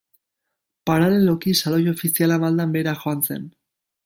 Paraleloki, Saloi ofiziala maldan behera joan zen.